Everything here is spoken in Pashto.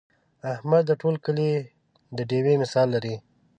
احمد د ټول کلي د ډېوې مثال لري.